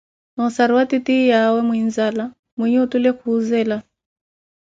Noo ossaruwa titiyawe muinzala, mwinhe otule khuzela,